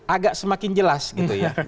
agak semakin jelas gitu ya